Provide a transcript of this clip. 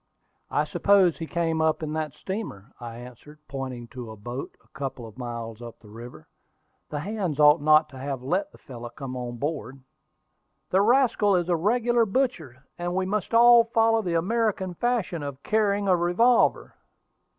"I suppose he came up in that steamer," I answered, pointing to a boat a couple of miles up the river. "The hands ought not to have let the fellow come on board." "The rascal is a regular butcher, and we must all follow the American fashion of carrying a revolver."